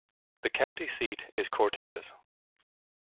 The county seat is Cortez.